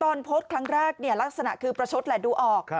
โพสต์ครั้งแรกลักษณะคือประชดแหละดูออก